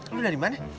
lo dari mana